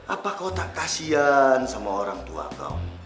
apa kau tak kasian sama orang tua kau